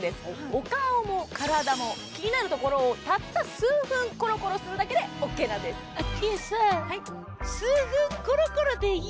お顔も体も気になるところをたった数分コロコロするだけでオーケーなんですまあまあ